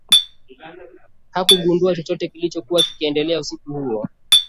hakugundua chochote kilichokuwa kikiendelea usiku huo